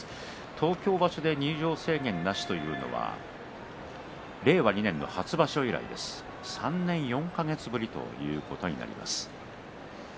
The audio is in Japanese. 東京場所で入場制限なしというのは令和２年の初場所以来３年４か月ぶりということになります。